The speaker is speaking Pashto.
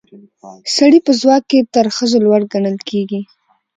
سړي په ځواک کې تر ښځو لوړ ګڼل کیږي